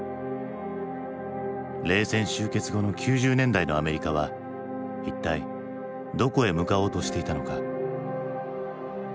冷戦終結後の９０年代のアメリカは一体どこへ向かおうとしていたのか。